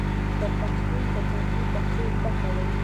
بر پښتون د ښوونځي پښتو زده کوي.